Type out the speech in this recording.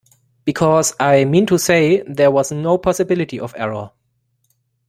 Because, I mean to say, there was no possibility of error.